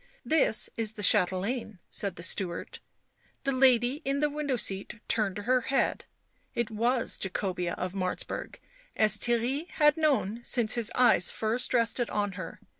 "This is the chatelaine," said the steward; the lady in the window seat turned her head ; it was Jacobea of Martzburg, as Theirry had known since his eyes first rested on her.